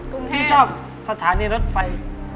พี่ชอบสถานีรถไฟ